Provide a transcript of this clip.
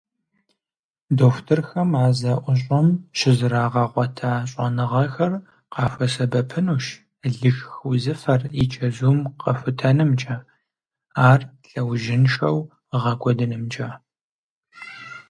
Дохутырхэм а зэӀущӀэм щызэрагъэгъуэта щӀэныгъэхэр къахуэсэбэпынущ лышх узыфэр и чэзум къэхутэнымкӀэ, ар лъэужьыншэу гъэкӀуэдынымкӀэ.